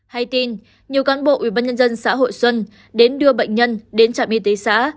hay tin nhiều cán bộ ubnd xã hội xuân đến đưa bệnh nhân đến trạm y tế xã